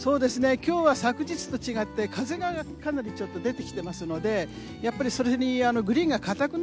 きょうは昨日と違って、風がかなり出てきてますのでやっぱり、それにグリーンが、かたくな